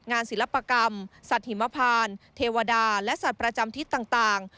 ศิลปกรรมสัตว์หิมพานเทวดาและสัตว์ประจำทิศต่าง